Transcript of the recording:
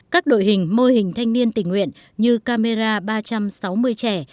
các đội hình mô hình thanh niên tình nguyện như camera ba trăm sáu mươi trẻ